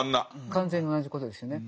完全に同じことですよね。